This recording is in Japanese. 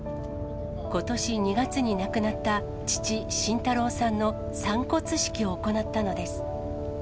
ことし２月に亡くなった父、慎太郎さんの散骨式を行ったのです。